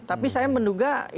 tapi saya menduga